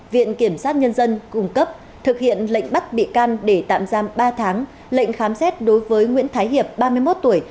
viện kiểm sát nhân dân cung cấp thực hiện lệnh bắt bị can để tạm giam ba tháng lệnh khám xét đối với nguyễn thái hiệp ba mươi một tuổi